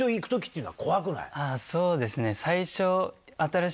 そうですね。